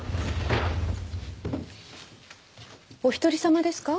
お一人様ですか？